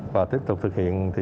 và tiếp tục thực hiện